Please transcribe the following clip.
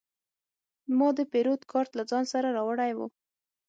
ما د پیرود کارت له ځان سره راوړی و.